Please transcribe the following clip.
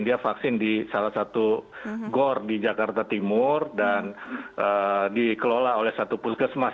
dia vaksin di salah satu gor di jakarta timur dan dikelola oleh satu puskesmas